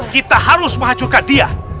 kita harus mengacurkan dia